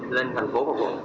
lên thành phố và quận